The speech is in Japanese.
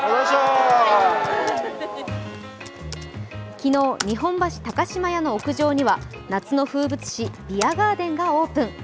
昨日、日本橋高島屋の屋上には夏の風物詩ビアガーデンがオープン。